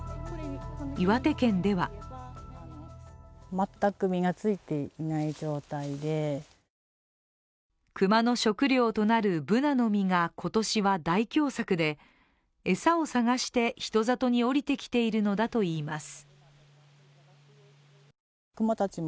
岩手県では熊の食料となるブナの実が、今年は大凶作で餌を探して人里におりてきているのだといいます。